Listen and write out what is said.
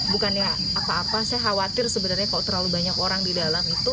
bukannya apa apa saya khawatir sebenarnya kalau terlalu banyak orang di dalam itu